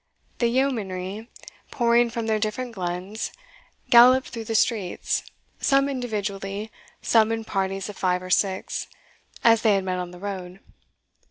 The yeomanry, pouring from their different glens, galloped through the streets, some individually, some in parties of five or six, as they had met on the road.